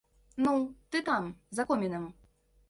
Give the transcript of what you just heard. Ну, ты там, за комінам!